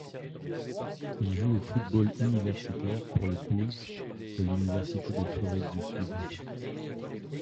Il joue au football universitaire pour les Bulls de l'université de Floride du Sud.